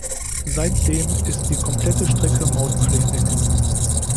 Seitdem ist die komplette Strecke mautpflichtig.